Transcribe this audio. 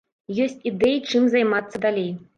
Ёсць ідэі, чым займацца далей.